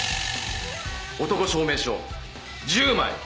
男証明書１０枚！